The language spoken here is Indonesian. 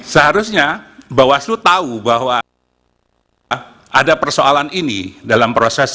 seharusnya bawaslu tahu bahwa ada persoalan ini dalam proses